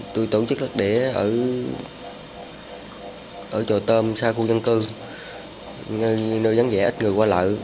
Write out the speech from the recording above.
tôi tổ chức lát đĩa ở trò tôm xa khu dân cư nơi dân dẻ ít người qua lợi